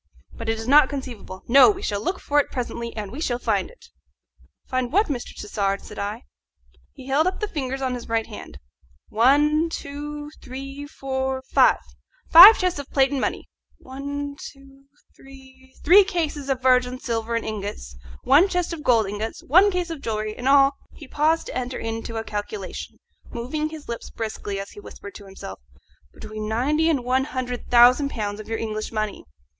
But it is not conceivable. No! we shall look for it presently, and we shall find it." "Find what, Mr. Tassard?" said I. He held up the fingers of his right hand: "One, two, three, four, five five chests of plate and money; one, two, three three cases of virgin silver in ingots; one chest of gold ingots; one case of jewellery. In all " he paused to enter into a calculation, moving his lips briskly as he whispered to himself "between ninety and one hundred thousand pounds of your English money."